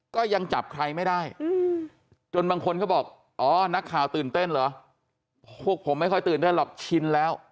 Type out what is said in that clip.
ก็ยังจับใครไม่ได้จนบางคนเขาบอกอ๋อนักข่าวตื่นเต้นเหรอพวกผมไม่ค่อยตื่นเต้นหรอกชินแล้ว